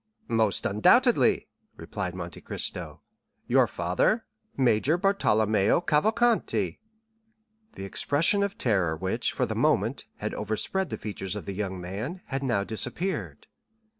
"Most undoubtedly," replied Monte Cristo; "your father, Major Bartolomeo Cavalcanti." The expression of terror which, for the moment, had overspread the features of the young man, had now disappeared.